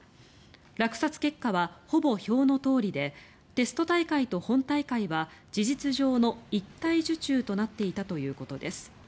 落札結果は、ほぼ表のとおりでテスト大会と本大会は事実上の一体受注となっていたということです。